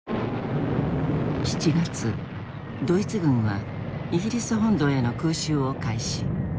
７月ドイツ軍はイギリス本土への空襲を開始。